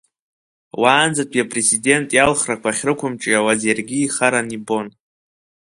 Уаанӡатәи Апрезидент иалхрақәа ахьрықәымҿиауаз иаргьы ихараны ирбон.